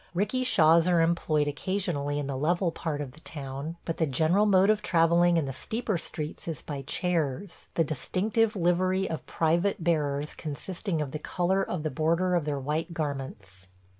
'Rikishas are employed occasionally in the level part of the town, but the general mode of travelling in the steeper streets is by chairs, the distinctive livery of private bearers consisting of the color of the border of their white garments.